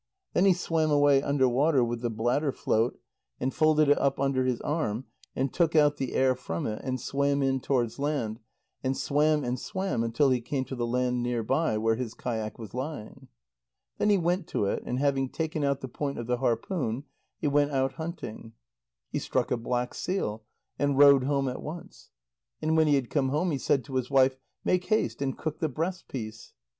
Then he swam away under water with the bladder float, and folded it up under his arm, and took out the air from it, and swam in towards land, and swam and swam until he came to the land near by where his kayak was lying. Then he went to it, and having taken out the point of the harpoon, he went out hunting. He struck a black seal, and rowed home at once. And when he had come home, he said to his wife: "Make haste and cook the breast piece."